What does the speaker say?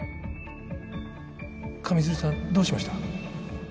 上水流さんどうしました？